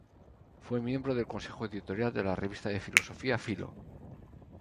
Fue miembro del consejo editorial de la revista de filosofía, "Philo".